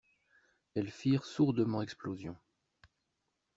Elles firent sourdement explosion.